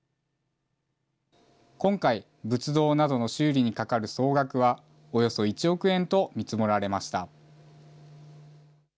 今回、仏像などの修理にかかる総額は、およそ１億円と見積もられました。